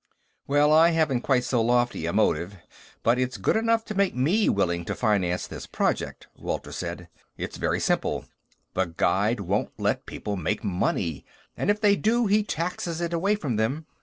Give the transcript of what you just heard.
"Well, I haven't quite so lofty a motive, but it's good enough to make me willing to finance this project," Walter said. "It's very simple. The Guide won't let people make money, and if they do, he taxes it away from them.